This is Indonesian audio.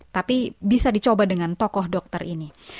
tapi bisa dicoba dengan tokoh dokter ini